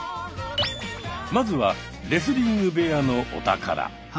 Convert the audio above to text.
まずはレスリング部屋のお宝。